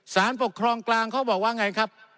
สารปกครองกลางเขาบอกว่าไงครับ